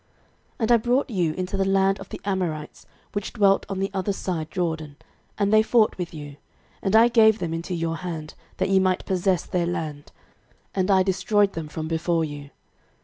06:024:008 And I brought you into the land of the Amorites, which dwelt on the other side Jordan; and they fought with you: and I gave them into your hand, that ye might possess their land; and I destroyed them from before you.